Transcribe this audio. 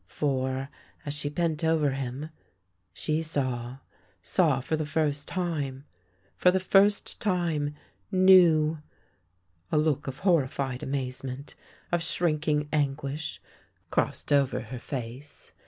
For, as she bent over him — she saw! Saw for the first time; for the first time, Knew! A look of horrified amazement, of shrinking anguish, THE LANE THAT HAD NO TURNING 9 crossed over her face.